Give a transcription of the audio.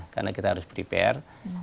karena kita harus beri per